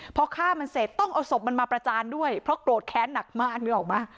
พอฆ่ามันเสร็จต้องเอาศพมันมาประจานด้วยเพราะโกรธแค้นหนักมากนึกออกไหม